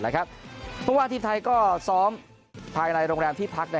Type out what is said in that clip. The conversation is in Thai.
เพราะว่าทีมไทยก็ซ้อมภายในโรงแรมที่พัก